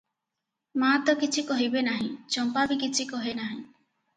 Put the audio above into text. ମା ତ କିଛି କହିବେ ନାହିଁ, ଚମ୍ପା ବି କିଛି କହେ ନାହିଁ ।